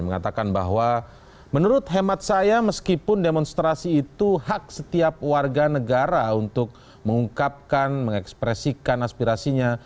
mengatakan bahwa menurut hemat saya meskipun demonstrasi itu hak setiap warga negara untuk mengungkapkan mengekspresikan aspirasinya